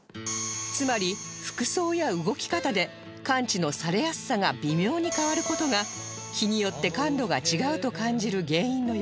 つまり服装や動き方で感知のされやすさが微妙に変わる事が日によって感度が違うと感じる原因のようです